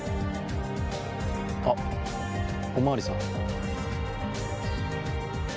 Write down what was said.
あっお巡りさん。